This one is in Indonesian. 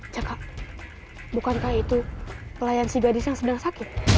caka bukankah itu pelayan si gadis yang sedang sakit